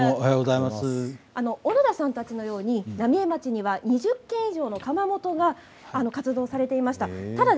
小野田さんたちのように浪江町には２０軒以上の窯元が活動をされていました。